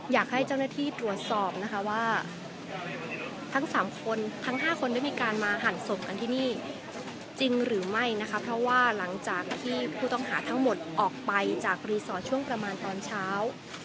อยากให้เจ้าหน้าที่ตรวจสอบนะคะว่าทั้งสามคนทั้ง๕คนได้มีการมาหั่นศพกันที่นี่จริงหรือไม่นะคะเพราะว่าหลังจากที่ผู้ต้องหาทั้งหมดออกไปจากรีสอร์ทช่วงประมาณตอนเช้า